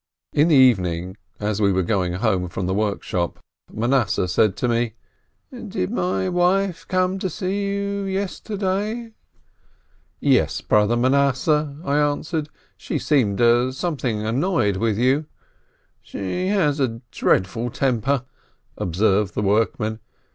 In the evening, as we were going home from the workshop, Manasseh said to me : "Did my wife come to see you yesterday?" "Yes, Brother Manasseh," I answered. "She seemed something annoyed with you." "She has a dreadful temper," observed the workman.